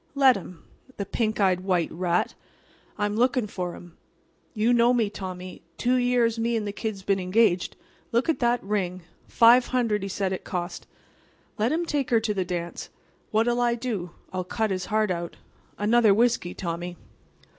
Let him. The pink eyed white rat! I'm lookin' for 'm. You know me, Tommy. Two years me and the Kid's been engaged. Look at that ring. Five hundred, he said it cost. Let him take her to the dance. What'll I do? I'll cut his heart out. Another whiskey, Tommy."